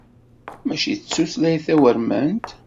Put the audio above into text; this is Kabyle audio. Mačči s tutlayt tawurmant.